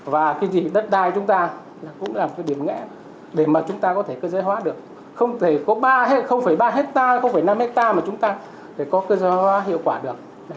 và cái gì đất đai chúng ta cũng là một cái điểm nghẽ để mà chúng ta có thể cơ chế hóa được không phải ba hectare không phải năm hectare mà chúng ta có thể cơ chế hóa hiệu quả được